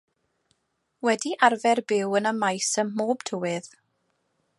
Wedi arfer byw yn y maes ym mhob tywydd.